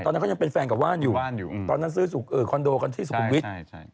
ตอนนั้นเขายังเป็นแฟนกับว่านอยู่ว่านอยู่ตอนนั้นซื้อคอนโดกันที่สุขุมวิทย์